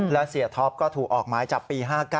และเสียท็อปก็ถูกออกหมายจับปี๕๙